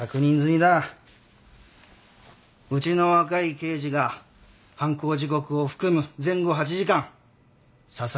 うちの若い刑事が犯行時刻を含む前後８時間紗崎